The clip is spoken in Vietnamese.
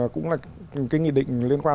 cũng là cái nghị định liên quan